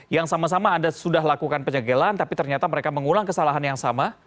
yang sama sama anda sudah lakukan penyegelan tapi ternyata mereka mengulang kesalahan yang sama